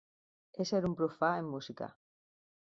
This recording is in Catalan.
Ésser un profà en música.